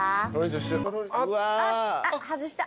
あっ外した。